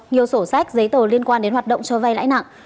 nhiều sổ sách giấy tờ liên quan đến hoạt động cho vay lãi nặng